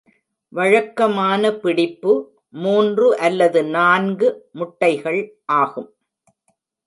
வழக்கமான பிடிப்பு மூன்று அல்லது நான்கு முட்டைகள் ஆகும்.